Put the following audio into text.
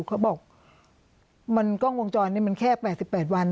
เขาบอกมันกล้องวงจรปิดมันแค่๘๘วัน